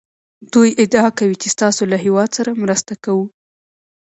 دوی ادعا کوي چې ستاسو له هېواد سره مرسته کوو